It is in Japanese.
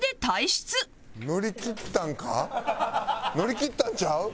乗り切ったんちゃう？